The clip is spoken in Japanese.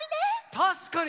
たしかに！